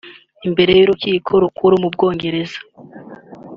Imbere y’urukiko rukuru mu Bwongereza